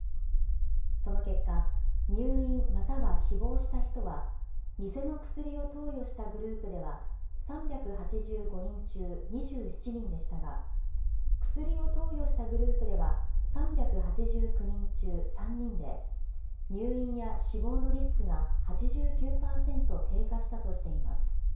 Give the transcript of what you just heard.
その結果、入院または死亡した人は、偽の薬を投与したグループでは３８５人中２７人でしたが、薬を投与したグループでは３８９人中３人で、入院や死亡のリスクが８９％低下したとしています。